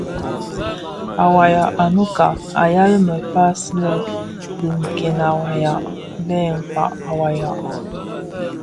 A wayag a Nnouka a yal mefas le dhi Nke a wayag bè Mkpag a wayag.